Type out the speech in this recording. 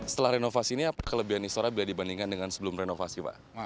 setelah renovasi ini apa kelebihan istora bila dibandingkan dengan sebelum renovasi pak